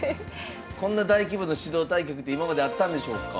こんな大規模な指導対局って今まであったんでしょうか？